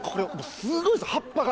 すごいんです葉っぱが。